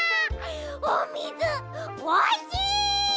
おみずおいしい！